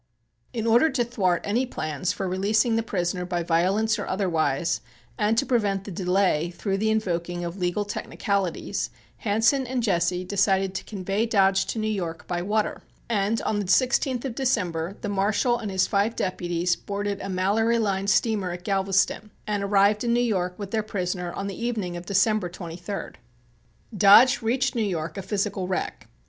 In order to thwart any plans for releasing the prisoner by violence or otherwise, and to prevent delay through the invoking of legal technicalities, Hansen and Jesse decided to convey Dodge to New York by water, and on the 16th of December, the Marshal and his five deputies boarded a Mallory Line steamer at Galveston and arrived in New York with their prisoner on the evening of December 23d. Dodge reached New York a physical wreck.